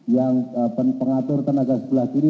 yang pengatur tenaga sebelah kiri